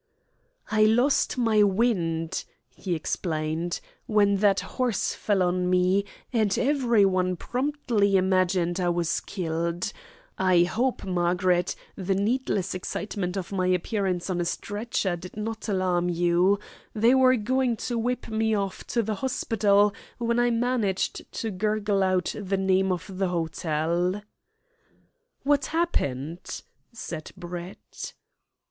"I lost my wind," he explained, "when that horse fell on me, and everyone promptly imagined I was killed. I hope, Margaret, the needless excitement of my appearance on a stretcher did not alarm you. They were going to whip me off to the hospital when I managed to gurgle out the name of the hotel." "What happened?" said Brett.